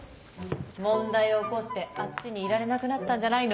問題起こしてあっちにいられなくなったんじゃないの？